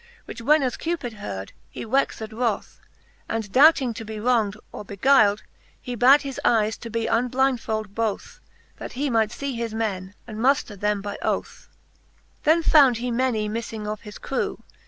Which when as Cupid heard, he wexed wroth, And doubting to be wronged, or beguyled, He bad his eyes to be unblindfold both, That he might fee his men, and mufter them by oth^ XXXIV. Then found he many miffing of his crew